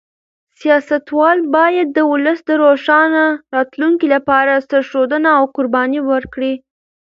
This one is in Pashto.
سیاستوال باید د ولس د روښانه راتلونکي لپاره سرښندنه او قرباني ورکړي.